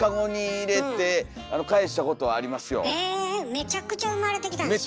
めちゃくちゃ生まれてきたんでしょ？